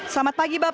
selamat pagi bapak